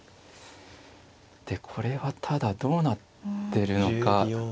でこれはただどうなってるのか。